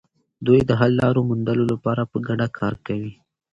دوی د حل لارو موندلو لپاره په ګډه کار کوي.